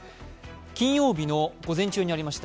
金曜日の午前中にありました。